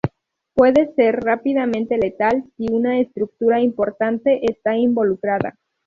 Puede ser rápidamente letal si una estructura importante está involucrada.